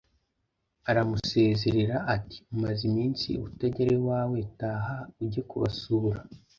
aramusezerera; ati: «umaze iminsi utagera iwawe taha ujye kubasura»